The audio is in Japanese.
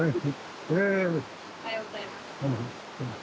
おはようございます。